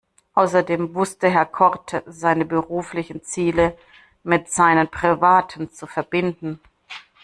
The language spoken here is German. Außerdem wusste Herr Korte seine beruflichen Ziele mit seinen privaten zu verbinden.